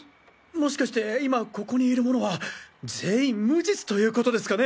もしかして今ここにいる者は全員無実ということですかね？